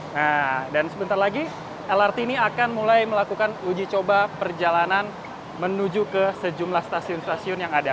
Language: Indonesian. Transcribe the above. nah dan sebentar lagi lrt ini akan mulai melakukan uji coba perjalanan menuju ke sejumlah stasiun stasiun yang ada